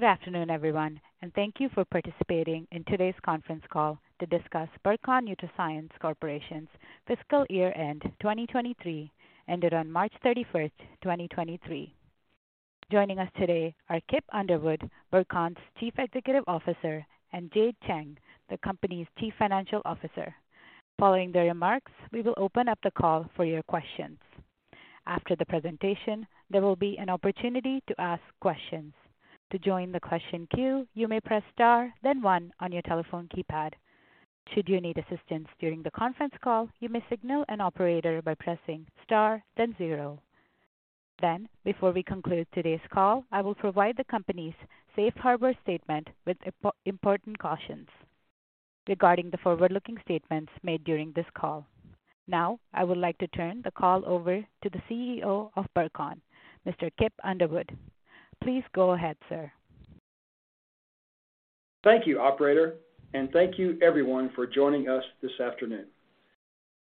Good afternoon, everyone, thank you for participating in today's conference call to discuss Burcon NutraScience Corporation's fiscal year end 2023, ended on March 31st, 2023. Joining us today are Kip Underwood, Burcon's Chief Executive Officer, and Jade Cheng, the company's Chief Financial Officer. Following their remarks, we will open up the call for your questions. After the presentation, there will be an opportunity to ask questions. To join the question queue, you may press star one on your telephone keypad. Should you need assistance during the conference call, you may signal an operator by pressing star zero. Before we conclude today's call, I will provide the company's Safe Harbor statement with important cautions regarding the forward-looking statements made during this call. I would like to turn the call over to the CEO of Burcon, Mr. Kip Underwood. Please go ahead, sir. Thank you, operator, and thank you everyone for joining us this afternoon.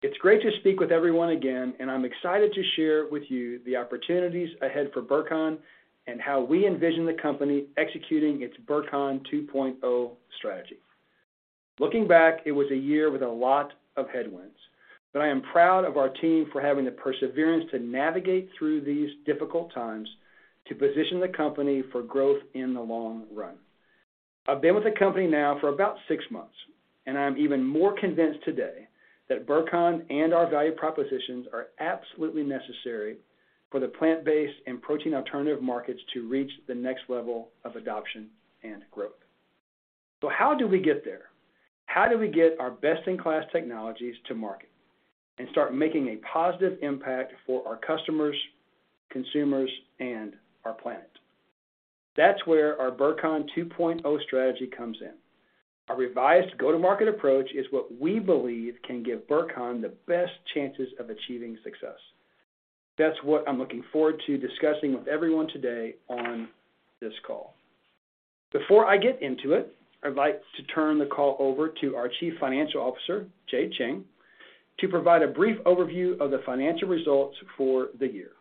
It's great to speak with everyone again, and I'm excited to share with you the opportunities ahead for Burcon and how we envision the company executing its Burcon 2.0 strategy. Looking back, it was a year with a lot of headwinds, but I am proud of our team for having the perseverance to navigate through these difficult times to position the company for growth in the long run. I've been with the company now for about six months, and I'm even more convinced today that Burcon and our value propositions are absolutely necessary for the plant-based and protein alternative markets to reach the next level of adoption and growth. How do we get there? How do we get our best-in-class technologies to market and start making a positive impact for our customers, consumers, and our planet? That's where our Burcon 2.0 strategy comes in. Our revised go-to-market approach is what we believe can give Burcon the best chances of achieving success. That's what I'm looking forward to discussing with everyone today on this call. Before I get into it, I'd like to turn the call over to our Chief Financial Officer, Jade Cheng, to provide a brief overview of the financial results for the year.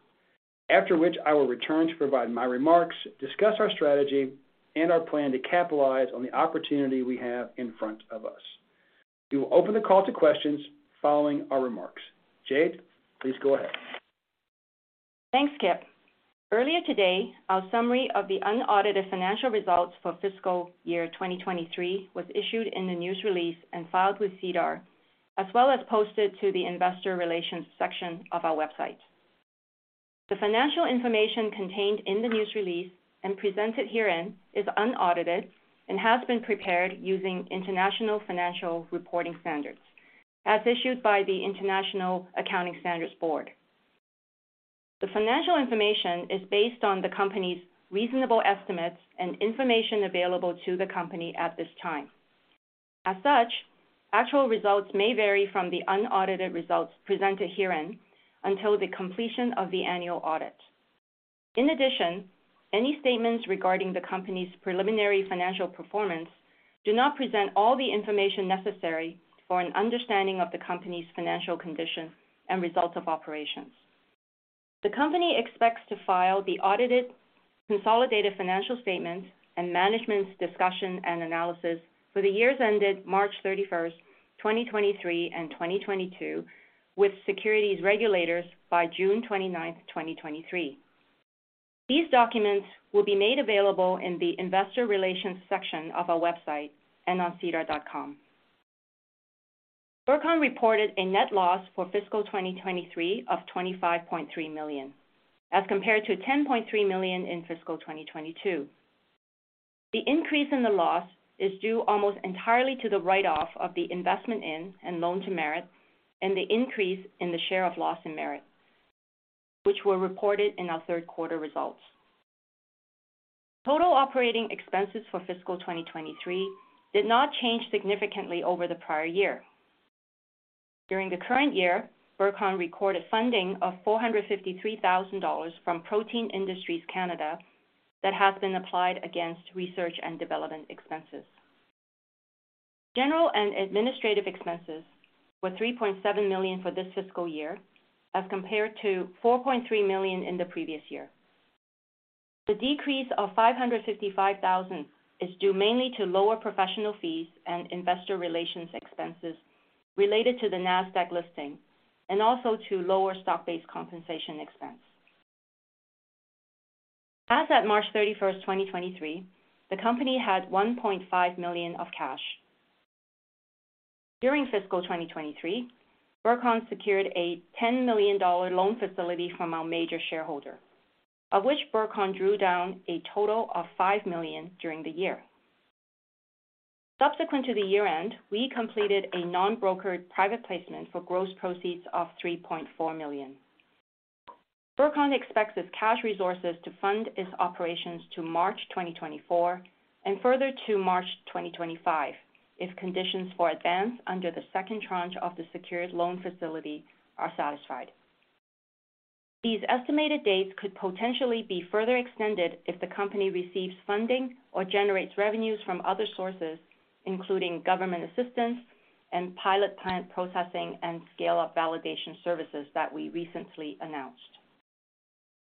After which I will return to provide my remarks, discuss our strategy and our plan to capitalize on the opportunity we have in front of us. We will open the call to questions following our remarks. Jade, please go ahead. Thanks, Kip. Earlier today, our summary of the unaudited financial results for fiscal year 2023 was issued in the news release and filed with SEDAR, as well as posted to the investor relations section of our website. The financial information contained in the news release and presented herein is unaudited and has been prepared using International Financial Reporting Standards, as issued by the International Accounting Standards Board. The financial information is based on the company's reasonable estimates and information available to the company at this time. As such, actual results may vary from the unaudited results presented herein until the completion of the annual audit. In addition, any statements regarding the company's preliminary financial performance do not present all the information necessary for an understanding of the company's financial condition and results of operations. The company expects to file the audited consolidated financial statements and management's discussion and analysis for the years ended March 31st, 2023 and 2022, with securities regulators by June 29th, 2023. These documents will be made available in the investor relations section of our website and on sedar.com. Burcon reported a net loss for fiscal 2023 of 25.3 million, as compared to 10.3 million in fiscal 2022. The increase in the loss is due almost entirely to the write-off of the investment in and loan to Merit, and the increase in the share of loss in Merit, which were reported in our third quarter results. Total operating expenses for fiscal 2023 did not change significantly over the prior year. During the current year, Burcon recorded funding of 453,000 dollars from Protein Industries Canada, that has been applied against research and development expenses. General and administrative expenses were 3.7 million for this fiscal year, as compared to 4.3 million in the previous year. The decrease of 555,000 is due mainly to lower professional fees and investor relations expenses related to the NASDAQ listing, and also to lower stock-based compensation expense. As at March 31, 2023, the company had 1.5 million of cash. During fiscal 2023, Burcon secured a 10 million dollar loan facility from our major shareholder, of which Burcon drew down a total of 5 million during the year. Subsequent to the year-end, we completed a non-brokered private placement for gross proceeds of 3.4 million. Burcon expects its cash resources to fund its operations to March 2024, and further to March 2025, if conditions for advance under the second tranche of the secured loan facility are satisfied. These estimated dates could potentially be further extended if the company receives funding or generates revenues from other sources, including government assistance and pilot plant processing and scale-up validation services that we recently announced.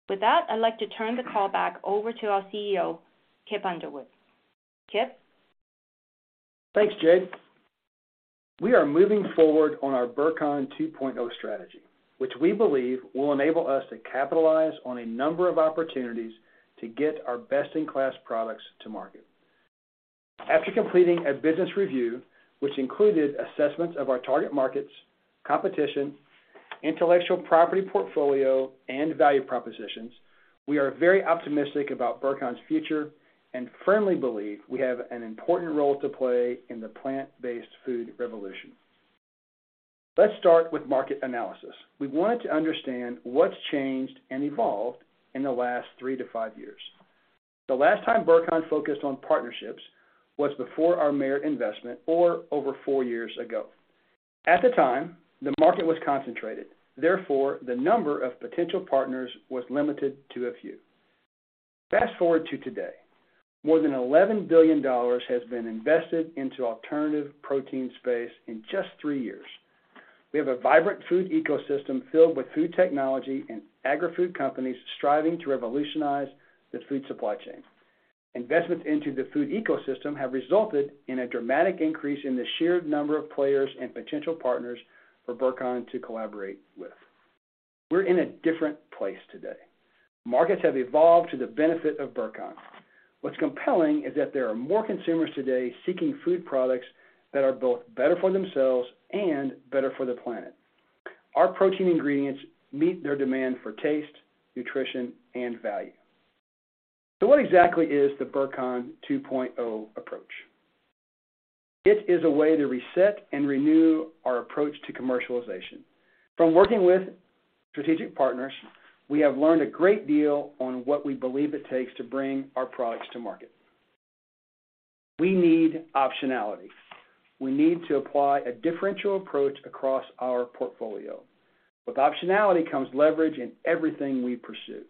With that, I'd like to turn the call back over to our CEO, Kip Underwood. Kip? Thanks, Jade. We are moving forward on our Burcon 2.0 strategy, which we believe will enable us to capitalize on a number of opportunities to get our best-in-class products to market. After completing a business review, which included assessments of our target markets, competition, intellectual property portfolio, and value propositions, we are very optimistic about Burcon's future and firmly believe we have an important role to play in the plant-based food revolution. Let's start with market analysis. We wanted to understand what's changed and evolved in the last 3-5 years. The last time Burcon focused on partnerships was before our Merit investment or over four years ago. At the time, the market was concentrated, therefore, the number of potential partners was limited to a few. Fast forward to today, more than 11 billion dollars has been invested into alternative protein space in just three years. We have a vibrant food ecosystem filled with food technology and agri-food companies striving to revolutionize the food supply chain. Investments into the food ecosystem have resulted in a dramatic increase in the sheer number of players and potential partners for Burcon to collaborate with. We're in a different place today. Markets have evolved to the benefit of Burcon. What's compelling is that there are more consumers today seeking food products that are both better for themselves and better for the planet. Our protein ingredients meet their demand for taste, nutrition, and value. What exactly is the Burcon 2.0 approach? It is a way to reset and renew our approach to commercialization. From working with strategic partners, we have learned a great deal on what we believe it takes to bring our products to market. We need optionality. We need to apply a differential approach across our portfolio. With optionality comes leverage in everything we pursue,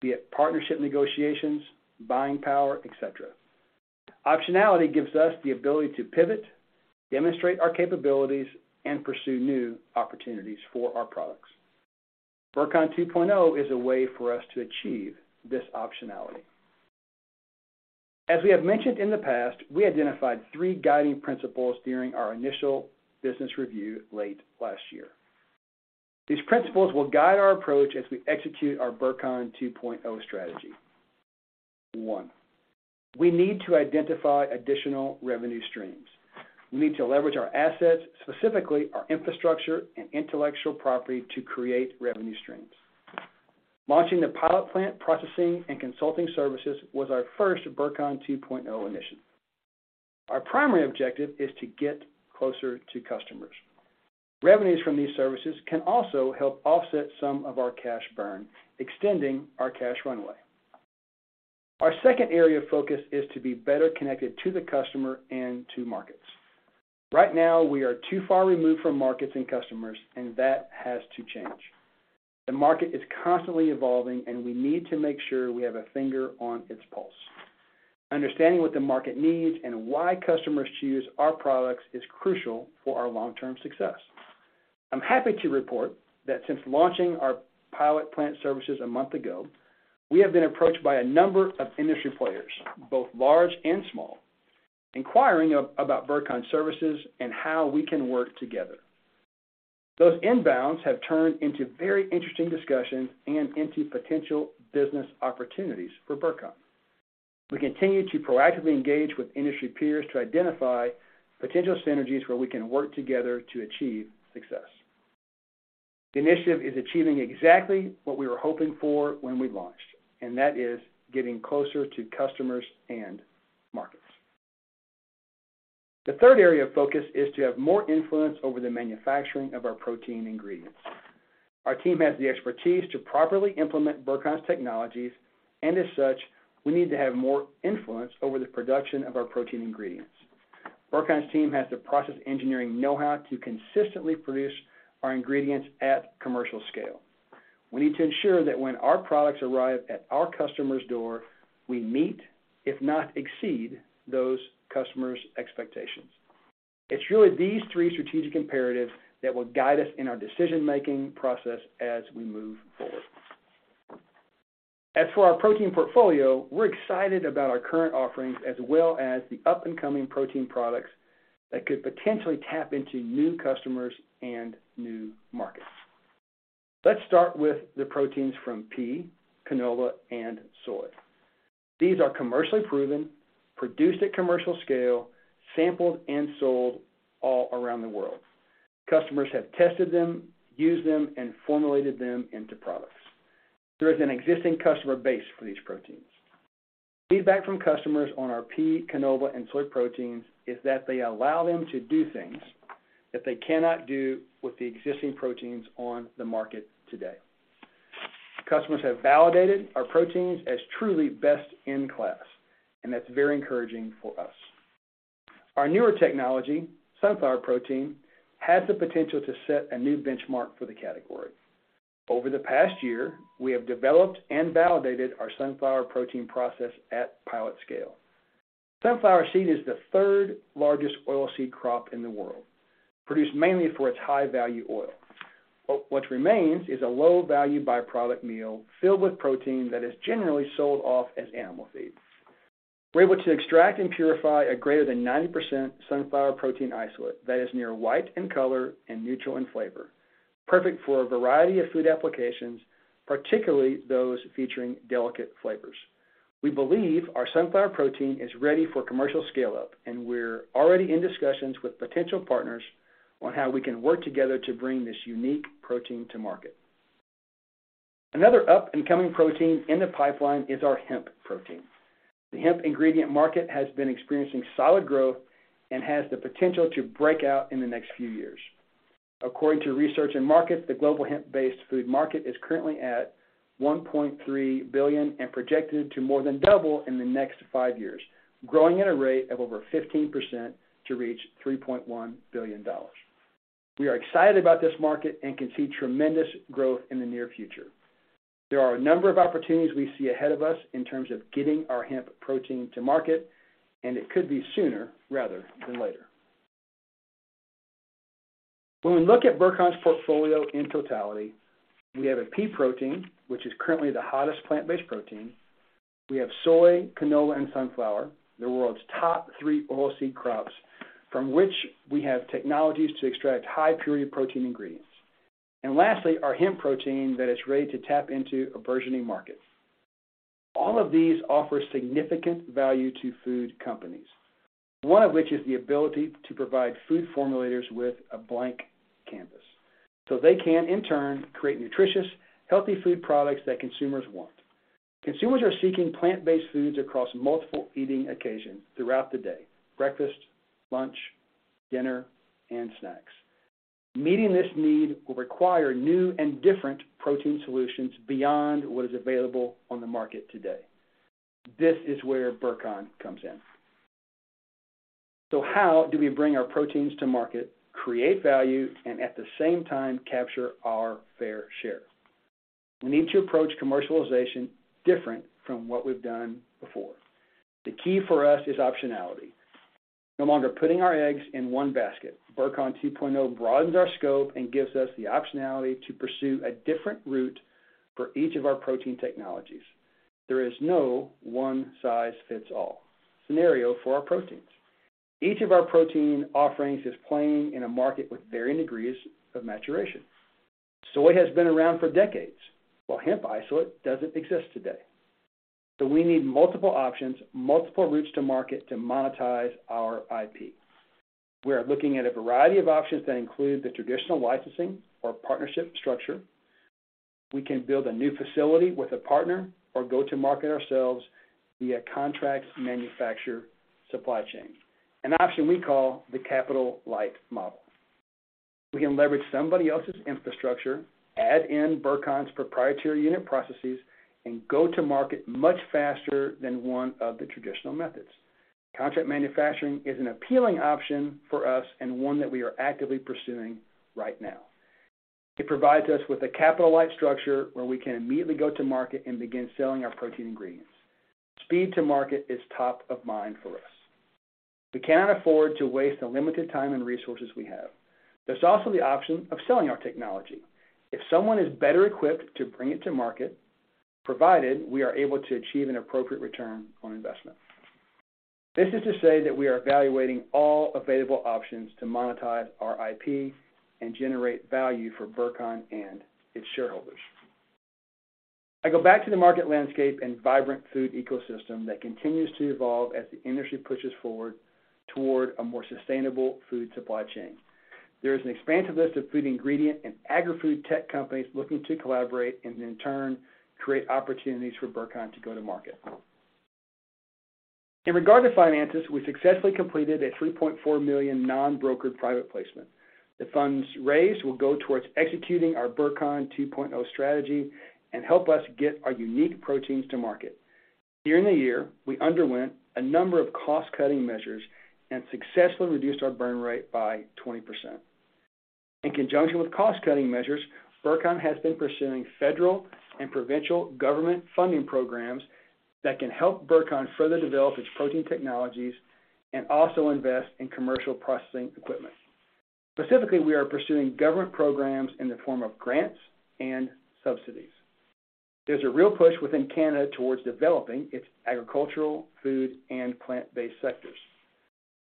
be it partnership negotiations, buying power, et cetera. Optionality gives us the ability to pivot, demonstrate our capabilities, and pursue new opportunities for our products. Burcon 2.0 is a way for us to achieve this optionality. As we have mentioned in the past, we identified three guiding principles during our initial business review late last year. These principles will guide our approach as we execute our Burcon 2.0 strategy. One, we need to identify additional revenue streams. We need to leverage our assets, specifically our infrastructure and intellectual property, to create revenue streams. Launching the pilot plant, processing, and consulting services was our first Burcon 2.0 initiative. Our primary objective is to get closer to customers. Revenues from these services can also help offset some of our cash burn, extending our cash runway. Our second area of focus is to be better connected to the customer and to markets. Right now, we are too far removed from markets and customers, and that has to change. The market is constantly evolving, and we need to make sure we have a finger on its pulse. Understanding what the market needs and why customers choose our products is crucial for our long-term success. I'm happy to report that since launching our pilot plant services a month ago, we have been approached by a number of industry players, both large and small, inquiring about Burcon services and how we can work together. Those inbounds have turned into very interesting discussions and into potential business opportunities for Burcon. We continue to proactively engage with industry peers to identify potential synergies where we can work together to achieve success. The initiative is achieving exactly what we were hoping for when we launched, and that is getting closer to customers and markets. The third area of focus is to have more influence over the manufacturing of our protein ingredients. Our team has the expertise to properly implement Burcon's technologies, and as such, we need to have more influence over the production of our protein ingredients. Burcon's team has the process engineering know-how to consistently produce our ingredients at commercial scale. We need to ensure that when our products arrive at our customer's door, we meet, if not, exceed, those customers' expectations. It's really these three strategic imperatives that will guide us in our decision-making process as we move forward. As for our protein portfolio, we're excited about our current offerings, as well as the up-and-coming protein products that could potentially tap into new customers and new markets. Let's start with the proteins from pea, canola, and soy. These are commercially proven, produced at commercial scale, sampled, and sold all around the world. Customers have tested them, used them, and formulated them into products. There is an existing customer base for these proteins. Feedback from customers on our pea, canola, and soy proteins is that they allow them to do things that they cannot do with the existing proteins on the market today. Customers have validated our proteins as truly best in class, and that's very encouraging for us. Our newer technology, sunflower protein, has the potential to set a new benchmark for the category.... Over the past year, we have developed and validated our sunflower protein process at pilot scale. Sunflower seed is the third largest oilseed crop in the world, produced mainly for its high-value oil. What remains is a low-value byproduct meal filled with protein that is generally sold off as animal feed. We're able to extract and purify a greater than 90% sunflower protein isolate that is near white in color and neutral in flavor, perfect for a variety of food applications, particularly those featuring delicate flavors. We believe our sunflower protein is ready for commercial scale-up, and we're already in discussions with potential partners on how we can work together to bring this unique protein to market. Another up-and-coming protein in the pipeline is our hemp protein. The hemp ingredient market has been experiencing solid growth and has the potential to break out in the next few years. According to Research and Markets, the global hemp-based food market is currently at $1.3 billion and projected to more than double in the next 5 years, growing at a rate of over 15% to reach $3.1 billion. We are excited about this market and can see tremendous growth in the near future. There are a number of opportunities we see ahead of us in terms of getting our hemp protein to market, and it could be sooner rather than later. When we look at Burcon's portfolio in totality, we have a pea protein, which is currently the hottest plant-based protein. We have soy, canola, and sunflower, the world's top three oilseed crops, from which we have technologies to extract high-purity protein ingredients. And lastly, our hemp protein that is ready to tap into a burgeoning market. All of these offer significant value to food companies, one of which is the ability to provide food formulators with a blank canvas, so they can, in turn, create nutritious, healthy food products that consumers want. Consumers are seeking plant-based foods across multiple eating occasions throughout the day, breakfast, lunch, dinner, and snacks. Meeting this need will require new and different protein solutions beyond what is available on the market today. This is where Burcon comes in. How do we bring our proteins to market, create value, and at the same time, capture our fair share? We need to approach commercialization different from what we've done before. The key for us is optionality. No longer putting our eggs in one basket, Burcon 2.0 broadens our scope and gives us the optionality to pursue a different route for each of our protein technologies. There is no one-size-fits-all scenario for our proteins. Each of our protein offerings is playing in a market with varying degrees of maturation. Soy has been around for decades, while hemp isolate doesn't exist today. We need multiple options, multiple routes to market to monetize our IP. We are looking at a variety of options that include the traditional licensing or partnership structure. We can build a new facility with a partner or go to market ourselves via contract manufacturer supply chain, an option we call the capital-light model. We can leverage somebody else's infrastructure, add in Burcon's proprietary unit processes, and go to market much faster than one of the traditional methods. Contract manufacturing is an appealing option for us and one that we are actively pursuing right now. It provides us with a capital-light structure where we can immediately go to market and begin selling our protein ingredients. Speed to market is top of mind for us. We cannot afford to waste the limited time and resources we have. There's also the option of selling our technology if someone is better equipped to bring it to market, provided we are able to achieve an appropriate return on investment. This is to say that we are evaluating all available options to monetize our IP and generate value for Burcon and its shareholders. I go back to the market landscape and vibrant food ecosystem that continues to evolve as the industry pushes forward toward a more sustainable food supply chain. There is an expansive list of food ingredient and agri-food tech companies looking to collaborate and in turn, create opportunities for Burcon to go to market. In regard to finances, we successfully completed a 3.4 million non-brokered private placement. The funds raised will go towards executing our Burcon 2.0 strategy and help us get our unique proteins to market. During the year, we underwent a number of cost-cutting measures and successfully reduced our burn rate by 20%. In conjunction with cost-cutting measures, Burcon has been pursuing federal and provincial government funding programs that can help Burcon further develop its protein technologies and also invest in commercial processing equipment. Specifically, we are pursuing government programs in the form of grants and subsidies. There's a real push within Canada towards developing its agricultural, food, and plant-based sectors.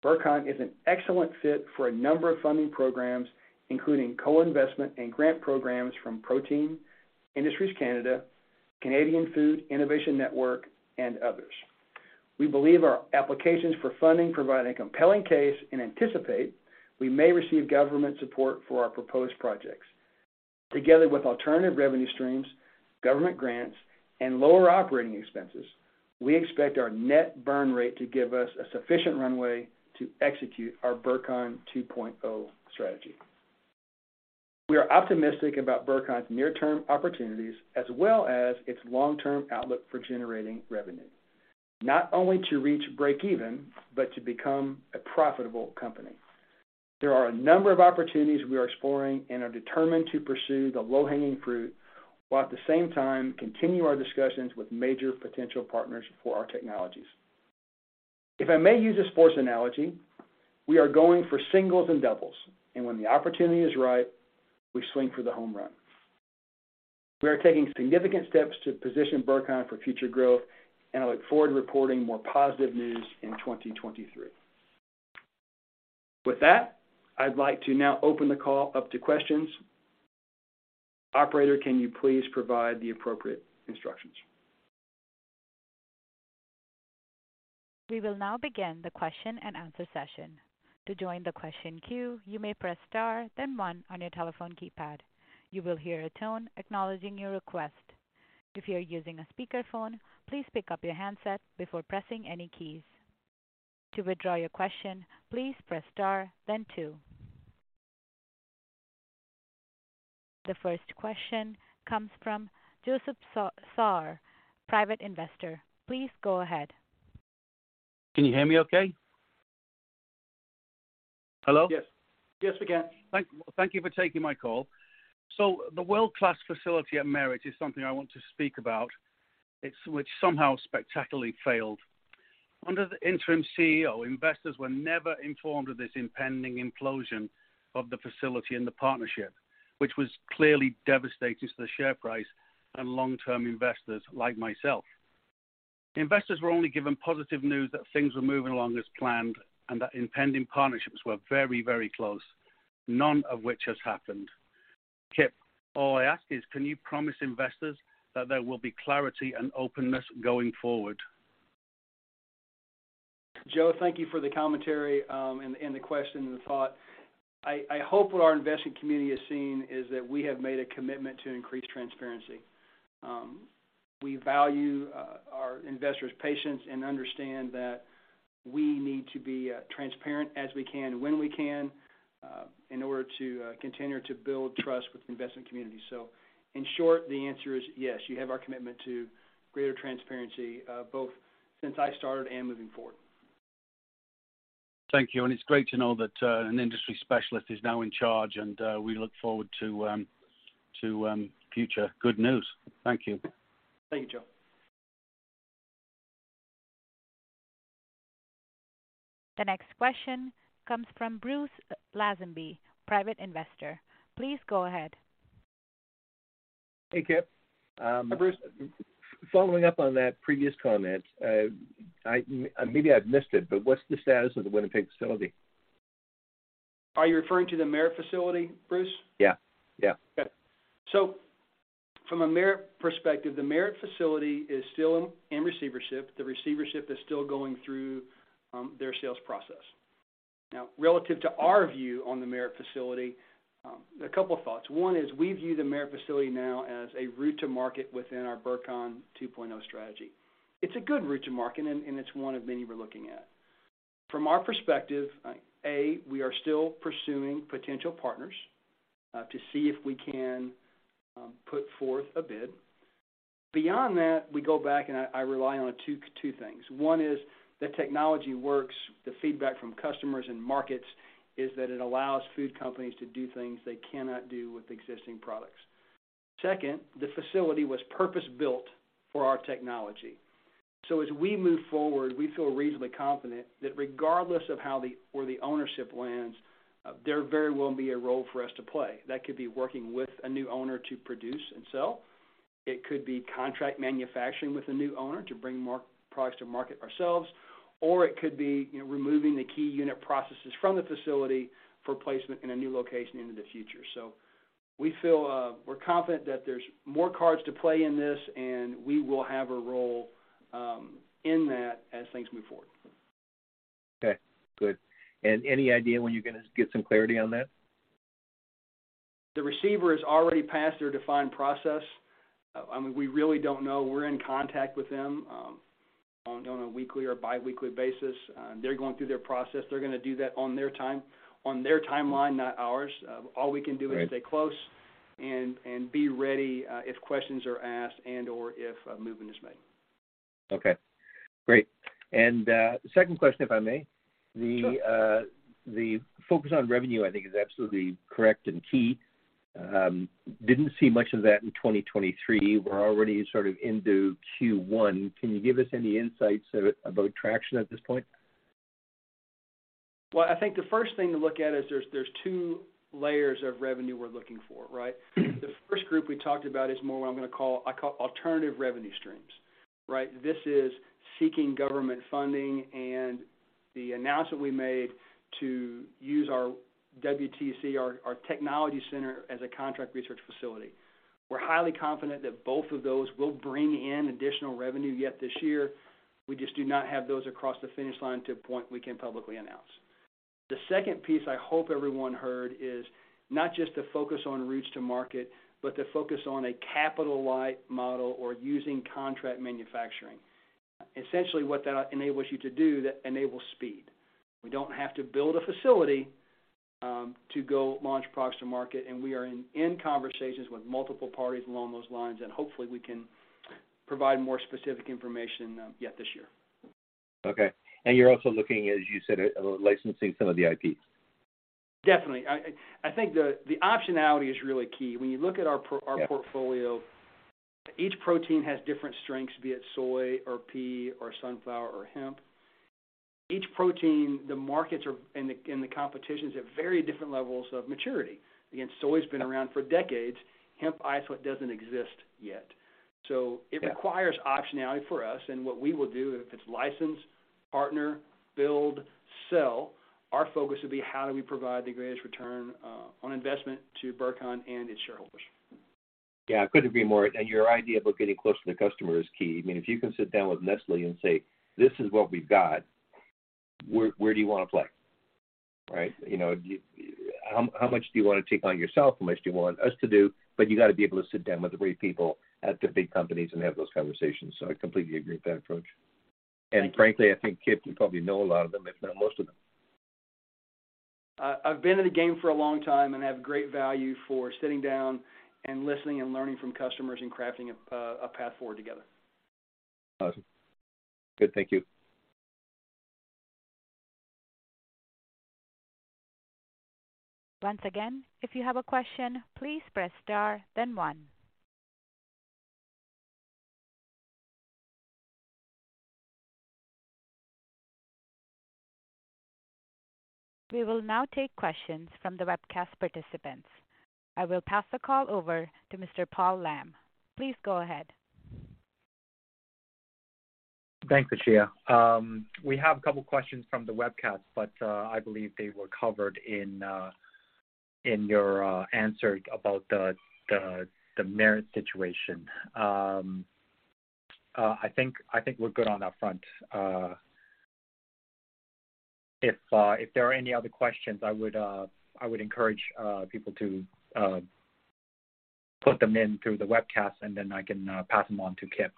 Burcon is an excellent fit for a number of funding programs, including co-investment and grant programs from Protein Industries Canada, Canadian Food Innovation Network, and others. We believe our applications for funding provide a compelling case and anticipate we may receive government support for our proposed projects. Together with alternative revenue streams, government grants, and lower operating expenses, we expect our net burn rate to give us a sufficient runway to execute our Burcon 2.0 strategy. We are optimistic about Burcon's near-term opportunities, as well as its long-term outlook for generating revenue, not only to reach breakeven, but to become a profitable company. There are a number of opportunities we are exploring and are determined to pursue the low-hanging fruit, while at the same time continue our discussions with major potential partners for our technologies. If I may use a sports analogy, we are going for singles and doubles, and when the opportunity is right, we swing for the home run. We are taking significant steps to position Burcon for future growth, and I look forward to reporting more positive news in 2023. With that, I'd like to now open the call up to questions. Operator, can you please provide the appropriate instructions? We will now begin the question-and-answer session. To join the question queue, you may press star, then one on your telephone keypad. You will hear a tone acknowledging your request. If you're using a speakerphone, please pick up your handset before pressing any keys. To withdraw your question, please press star then two. The first question comes from Joseph Storms, private investor. Please go ahead. Can you hear me okay? Hello? Yes. Yes, we can. Thank you for taking my call. The world-class facility at Merit is something I want to speak about, which somehow spectacularly failed. Under the interim CEO, investors were never informed of this impending implosion of the facility and the partnership, which was clearly devastating to the share price and long-term investors like myself. Investors were only given positive news that things were moving along as planned and that impending partnerships were very close, none of which has happened. Kip, all I ask is, can you promise investors that there will be clarity and openness going forward? Joe, thank you for the commentary, and the question and the thought. I hope what our investing community has seen is that we have made a commitment to increase transparency. We value our investors' patience and understand that we need to be transparent as we can and when we can, in order to continue to build trust with the investment community. In short, the answer is yes. You have our commitment to greater transparency, both since I started and moving forward. Thank you. It's great to know that an industry specialist is now in charge, and we look forward to future good news. Thank you. Thank you, Joe. The next question comes from Bruce Lazenby, private investor. Please go ahead. Hey, Kip. Hi, Bruce. Following up on that previous comment, I, maybe I've missed it, but what's the status of the Winnipeg facility? Are you referring to the Merit facility, Bruce? Yeah, yeah. From a Merit perspective, the Merit facility is still in receivership. The receivership is still going through their sales process. Relative to our view on the Merit facility, a couple of thoughts. One is we view the Merit facility now as a route to market within our Burcon 2.0 strategy. It's a good route to market, and it's one of many we're looking at. From our perspective, A, we are still pursuing potential partners to see if we can put forth a bid. Beyond that, we go back and I rely on 2 things. One is, the technology works. The feedback from customers and markets is that it allows food companies to do things they cannot do with existing products. Second, the facility was purpose-built for our technology. As we move forward, we feel reasonably confident that regardless of how the or the ownership lands, there very well may be a role for us to play. That could be working with a new owner to produce and sell. It could be contract manufacturing with a new owner to bring more products to market ourselves, or it could be, you know, removing the key unit processes from the facility for placement in a new location into the future. We feel we're confident that there's more cards to play in this, and we will have a role in that as things move forward. Okay, good. Any idea when you're gonna get some clarity on that? The receiver is already past their defined process. I mean, we really don't know. We're in contact with them on a weekly or biweekly basis. They're going through their process. They're gonna do that on their time, on their timeline, not ours. All we can do. Right.... is stay close and be ready, if questions are asked and/or if a movement is made. Okay, great. Second question, if I may. Sure. The, the focus on revenue, I think, is absolutely correct and key. Didn't see much of that in 2023. We're already sort of into Q1. Can you give us any insights about traction at this point? I think the first thing to look at is there's two layers of revenue we're looking for, right? The first group we talked about is more what I'm gonna call alternative revenue streams, right? This is seeking government funding and the announcement we made to use our WTC, our technology center, as a contract research facility. We're highly confident that both of those will bring in additional revenue yet this year. We just do not have those across the finish line to a point we can publicly announce. The second piece I hope everyone heard is not just the focus on routes to market, but the focus on a capital-light model or using contract manufacturing. What that enables you to do, that enables speed. We don't have to build a facility, to go launch products to market, and we are in conversations with multiple parties along those lines, and hopefully, we can provide more specific information yet this year. Okay. You're also looking, as you said, at licensing some of the IP? Definitely. I think the optionality is really key. When you look at our. Yeah our portfolio, each protein has different strengths, be it soy or pea or sunflower or hemp. Each protein, the markets are, and the competition is at very different levels of maturity. Again, soy's been around for decades. Hemp isolate doesn't exist yet. Yeah. It requires optionality for us. What we will do, if it's license, partner, build, sell, our focus will be how do we provide the greatest return, on investment to Burcon and its shareholders? Yeah, I couldn't agree more. Your idea about getting close to the customer is key. I mean, if you can sit down with Nestlé and say, "This is what we've got, where do you want to play?" Right? You know, "How much do you want to take on yourself? How much do you want us to do?" You got to be able to sit down with the right people at the big companies and have those conversations, so I completely agree with that approach. Thank you. Frankly, I think, Kip, you probably know a lot of them, if not most of them. I've been in the game for a long time and have great value for sitting down and listening and learning from customers and crafting a path forward together. Awesome. Good. Thank you. Once again, if you have a question, please press Star, then one. We will now take questions from the webcast participants. I will pass the call over to Mr. Paul Lam. Please go ahead. Thanks, Ashia. We have a couple questions from the webcast, but I believe they were covered in your answer about the Merit situation. I think we're good on that front. If there are any other questions, I would encourage people to put them in through the webcast, and then I can pass them on to Kip.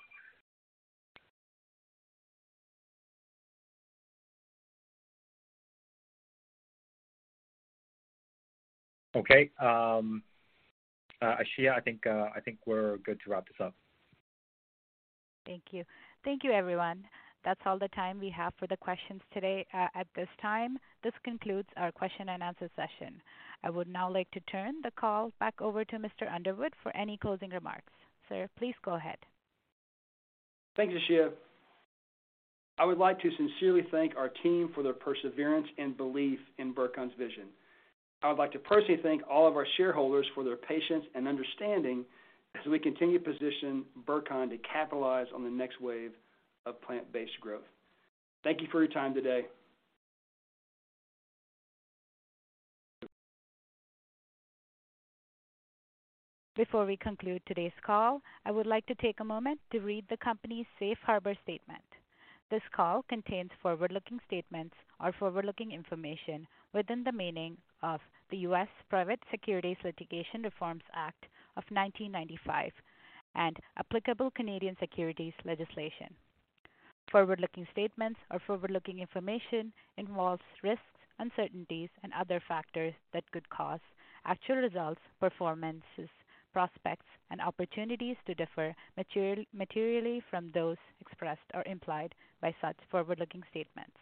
Okay, Ashia, I think we're good to wrap this up. Thank you. Thank you, everyone. That's all the time we have for the questions today, at this time. This concludes our question and answer session. I would now like to turn the call back over to Mr. Underwood for any closing remarks. Sir, please go ahead. Thank you, Ashia. I would like to sincerely thank our team for their perseverance and belief in Burcon's vision. I would like to personally thank all of our shareholders for their patience and understanding as we continue to position Burcon to capitalize on the next wave of plant-based growth. Thank you for your time today. Before we conclude today's call, I would like to take a moment to read the company's safe harbor statement. This call contains forward-looking statements or forward-looking information within the meaning of the U.S. Private Securities Litigation Reform Act of 1995 and applicable Canadian securities legislation. Forward-looking statements or forward-looking information involves risks, uncertainties, and other factors that could cause actual results, performances, prospects, and opportunities to differ materially from those expressed or implied by such forward-looking statements.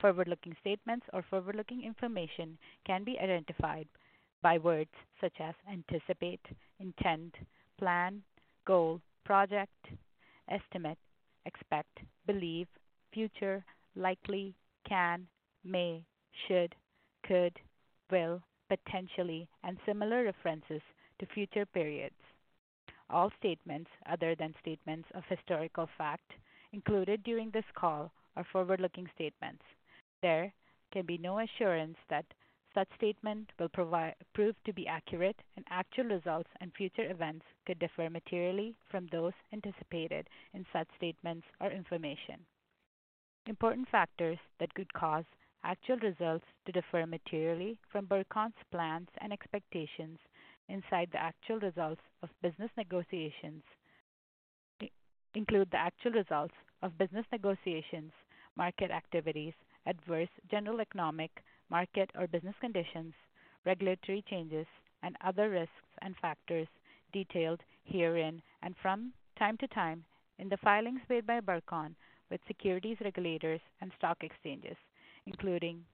Forward-looking statements or forward-looking information can be identified by words such as anticipate, intend, plan, goal, project, estimate, expect, believe, future, likely, can, may, should, could, will, potentially, and similar references to future periods. All statements other than statements of historical fact included during this call are forward-looking statements. There can be no assurance that such statement will prove to be accurate. Actual results and future events could differ materially from those anticipated in such statements or information. Important factors that could cause actual results to differ materially from Burcon's plans and expectations include the actual results of business negotiations, market activities, adverse general economic, market or business conditions, regulatory changes, and other risks and factors detailed herein and from time to time in the filings made by Burcon with securities regulators and stock exchanges, including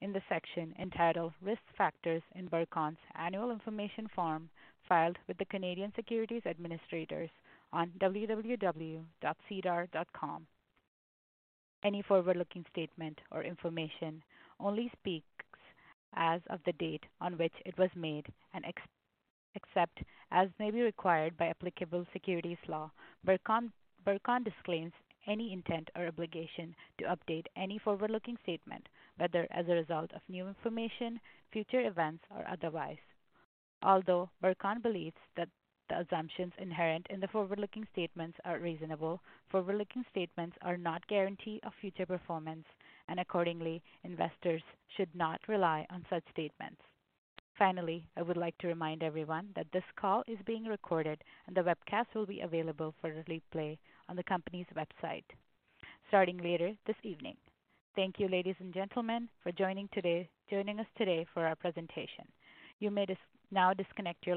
in the section entitled "Risk Factors" in Burcon's Annual Information Form, filed with the Canadian Securities Administrators on www.sedar.com. Any forward-looking statement or information only speaks as of the date on which it was made, and except as may be required by applicable securities law, Burcon disclaims any intent or obligation to update any forward-looking statement, whether as a result of new information, future events, or otherwise. Although Burcon believes that the assumptions inherent in the forward-looking statements are reasonable, forward-looking statements are not guarantee of future performance, and accordingly, investors should not rely on such statements. Finally, I would like to remind everyone that this call is being recorded, and the webcast will be available for replay on the company's website starting later this evening. Thank you, ladies and gentlemen, for joining us today for our presentation. You may now disconnect your lines.